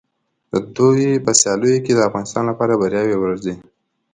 د دوی په سیالیو کې د افغانستان لپاره بریاوې ورځي.